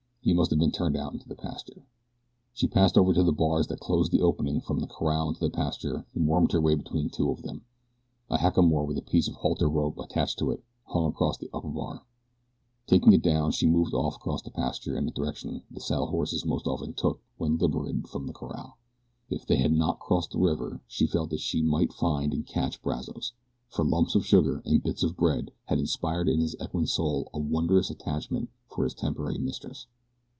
He must have been turned out into the pasture. She passed over to the bars that closed the opening from the corral into the pasture and wormed her way between two of them. A hackamore with a piece of halter rope attached to it hung across the upper bar. Taking it down she moved off across the pasture in the direction the saddle horses most often took when liberated from the corral. If they had not crossed the river she felt that she might find and catch Brazos, for lumps of sugar and bits of bread had inspired in his equine soul a wondrous attachment for his temporary mistress.